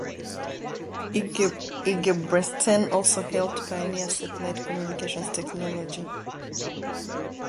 Ingebretsen also helped pioneer satellite communications technology.